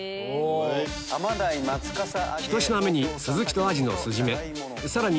１品目にスズキとアジの酢締めさらに